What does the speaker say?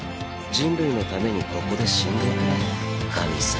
人類のためにここで死んでくれ神様。